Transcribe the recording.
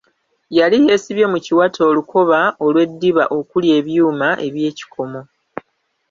Yali yeesibye mu kiwato olukoba olw'eddiba okuli ebvuma ebv'ekikomo.